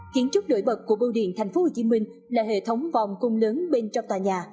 kiến trúc nổi bật của bưu điện tp hcm là hệ thống vòng cung lớn bên trong tòa nhà